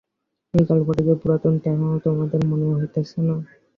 এই গল্পটা যে পুরাতন তাহাও তোমাদের মনে হইতেছে না?